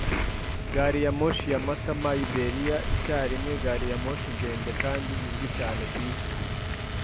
Gari ya moshi ya Matamaiberiya icyarimwe gari ya moshi ndende kandi izwi cyane kwisi